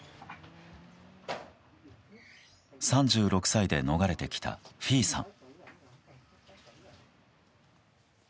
３６歳で逃れてきたフィーさん。